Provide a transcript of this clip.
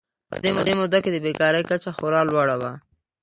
په دې موده کې د بېکارۍ کچه خورا لوړه وه.